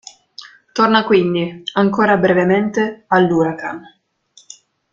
Torna quindi, ancora brevemente, all'Huracan.